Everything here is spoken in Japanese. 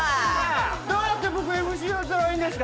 「どうやって僕ＭＣやったらいいんですか？」